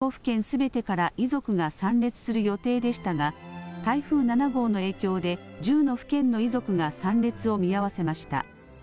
ことしは４年ぶりに４７都道府県すべてから遺族が参列する予定でしたが、台風７号の影響で、１０の府県の遺族が参列を見合わせました。